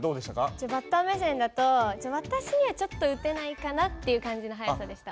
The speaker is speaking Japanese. バッター目線だと私にはちょっと打てないかなっていう感じの速さでした。